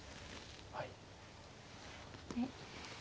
はい。